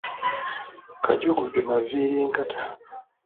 Kajugujwe Maviirinkata.